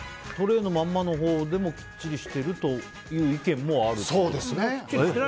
でも、トレーのままのほうでもきっちりしているという意見もあると。